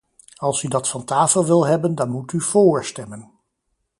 Als u dat van tafel wil hebben dan moet u vóór stemmen.